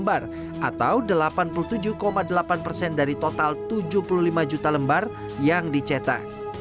atau delapan puluh tujuh delapan persen dari total tujuh puluh lima juta lembar yang dicetak